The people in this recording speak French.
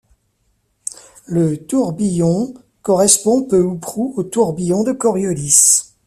Le tourbillon ζ correspond peu ou prou au tourbillon de Coriolis.